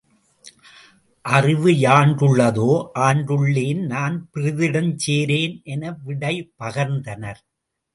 அறிவுயாண்டுளதோ ஆண்டுள்ளேன் நான் பிறிதிடஞ் சேரேன் என விடை பகர்ந்தனர்.